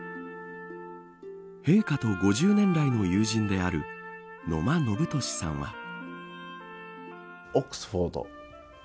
陛下と５０年来の友人である乃万暢敏さんは。